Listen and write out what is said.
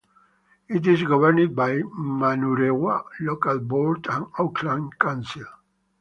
It is governed by the Manurewa Local Board and Auckland Council.